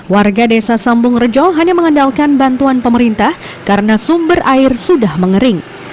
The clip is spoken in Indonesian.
warga desa sambung rejo hanya mengandalkan bantuan pemerintah karena sumber air sudah mengering